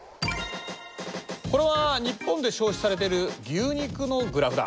これは日本で消費されてる牛肉のグラフだ。